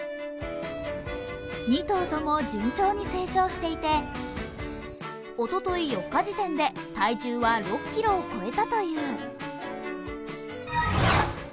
２頭とも順調に成長していて、おととい４日時点で体重は６ｋｇを超えたという。